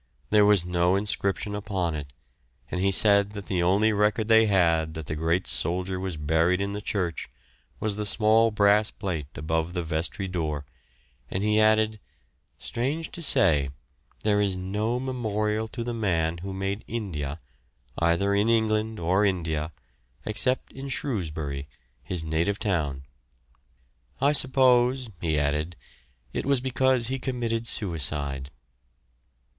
There was no inscription upon it, and he said that the only record they had that the great soldier was buried in the church was the small brass plate above the vestry door, and he added: "Strange to say, there is no memorial to the man who made India, either in England or India, except in Shrewsbury, his native town. I suppose," he added, "it was because he committed suicide."